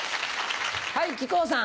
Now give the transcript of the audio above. はい木久扇さん。